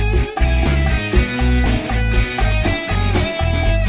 kalau masuk masalah